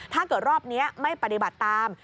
ถ้าเกิดรอบนี้ไม่ปฏิบัติตาม